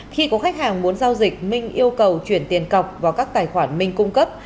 khi có khách hàng muốn giao dịch minh yêu cầu chuyển tiền cọc vào các tài khoản minh cung cấp